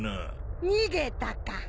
逃げたか。